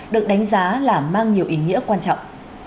được đánh giá là mang nhiều ý nghĩa quan trọng